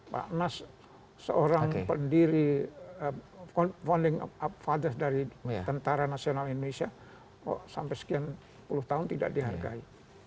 pak nas seorang pendiri founding fathers dari tentara nasional indonesia kok sampai sekian puluh tahun tidak dihargai